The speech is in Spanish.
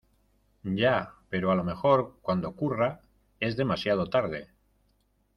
ya, pero a lo mejor , cuando ocurra , es demasiado tarde.